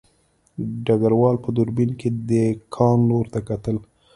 ډګروال په دوربین کې د کان لور ته کتل